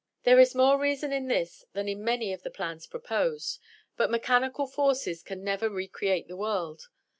There is more reason in this than in many of the plans proposed; but mechanical forces can never recreate the world.